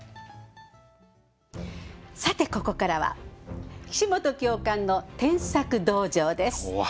さてここからは「岸本教官の添削道場」です。